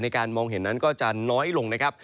การมองเห็นนั้นก็จะน้อยลงนะครับ